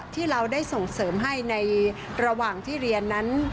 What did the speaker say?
ที่เราได้ส่งเสริมให้ในระหว่างที่เรียนนั้น